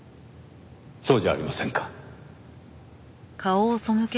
そうじゃありませんか？